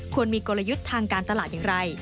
ควรมีกลยุทธ์ทางการตลาดอย่างไร